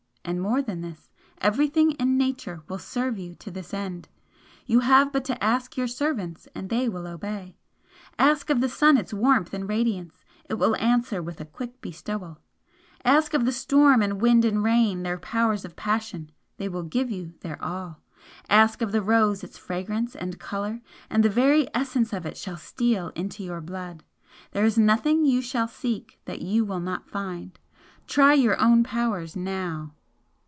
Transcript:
And more than this everything in Nature will serve you to this end. You have but to ask your servants and they will obey. Ask of the sun its warmth and radiance, it will answer with a quick bestowal ask of the storm and wind and rain their powers of passion, they will give you their all, ask of the rose its fragrance and colour, and the very essence of it shall steal into your blood, there is nothing you shall seek that you will not find. Try your own powers now!"